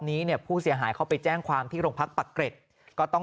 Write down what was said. นี้เนี่ยผู้เสียหายเขาไปแจ้งความที่โรงพักปักเกร็ดก็ต้อง